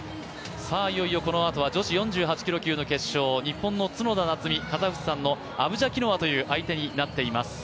いよいよこのあとは女子の４８キロ級の決勝、日本の角田夏実、カザフスタンのアブジャキノワとなっています。